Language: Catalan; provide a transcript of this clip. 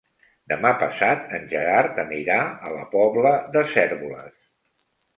Demà passat en Gerard anirà a la Pobla de Cérvoles.